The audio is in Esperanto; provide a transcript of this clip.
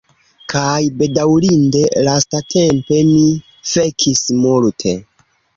Kaj bedaŭrinde lastatempe, mi fekis multe.